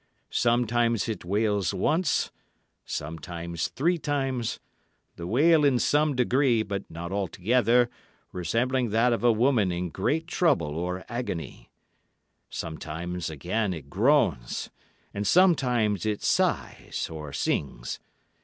Sometimes it wails once, sometimes three times—the wail in some degree, but not altogether, resembling that of a woman in great trouble or agony; sometimes, again, it groans; and sometimes it sighs, or sings.